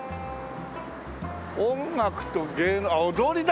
「音楽と芸能」あっ踊りだ！